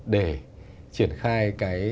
để triển khai